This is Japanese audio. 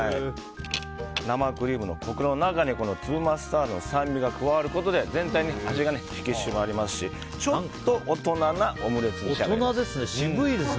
生クリームのコクの中に粒マスタードの酸味が加わることで全体に味が引き締まりますしちょっと大人なオムレツに仕上がります。